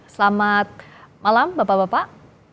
selamat malam bapak bapak